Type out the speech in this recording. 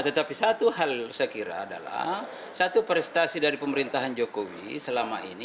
tetapi satu hal saya kira adalah satu prestasi dari pemerintahan jokowi selama ini